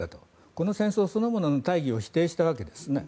この戦争そのものの大義を否定したわけですね。